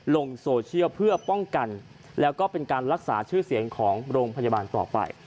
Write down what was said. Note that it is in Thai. ลงโซเชียลเพื่อป้องกันแล้วก็เป็นการรักษาชื่อเสียงของโรงพยาบาลต่อไป